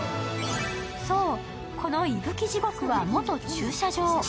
そう、このいぶき地獄は元駐車場。